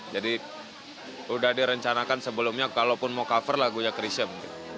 jadi udah direncanakan sebelumnya kalaupun mau cover lagunya chris yeh